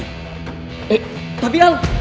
eh tapi al